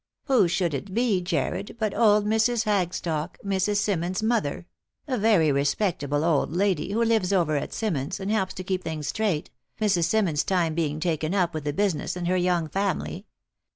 " Who should it be, Jarred, but old Mrs. Hagstock, Mrs. Simmons's mother ; a very respectable old lady, who lives over at Simmons's, and helps to keep things straight, Mrs. Simmons's time being taken up with the business and her young family.